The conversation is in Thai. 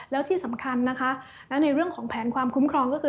แล้วที่สำคัญนะคะและในเรื่องของแผนความคุ้มครองก็คือ